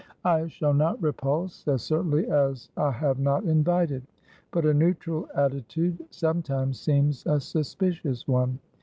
I shall not repulse, as certainly as I have not invited. But a neutral attitude sometimes seems a suspicious one.